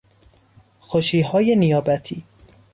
خوشیهای نیابتی